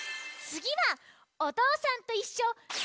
つぎは「おとうさんといっしょ」